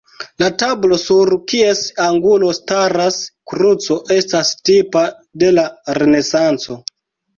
La tablo, sur kies angulo staras kruco, estas tipa de la Renesanco.